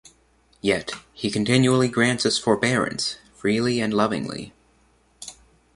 Yet, He continually grants us forbearance freely and lovingly.